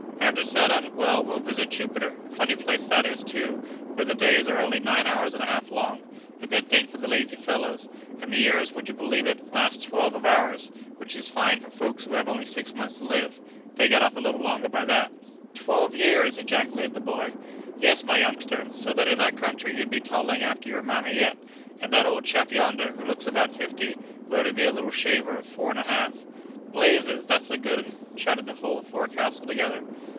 "After Saturn? Well, we'll visit Jupiter. A funny place that is, too, where the days are only nine hours and a half long—a good thing for the lazy fellows—and the years, would you believe it—last twelve of ours, which is fine for folks who have only six months to live. They get off a little longer by that." "Twelve years!" ejaculated the boy. "Yes, my youngster; so that in that country you'd be toddling after your mammy yet, and that old chap yonder, who looks about fifty, would only be a little shaver of four and a half." "Blazes! that's a good 'un!" shouted the whole forecastle together.